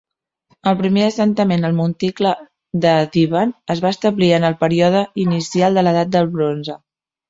El primer assentament al monticle de Dhiban es va establir en el període inicial de l'edat del bronze.